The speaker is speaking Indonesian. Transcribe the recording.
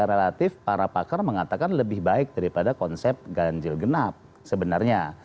relatif para pakar mengatakan lebih baik daripada konsep ganjil genap sebenarnya